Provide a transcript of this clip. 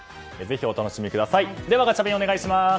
ガチャピン、お願いします。